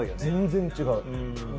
全然違う。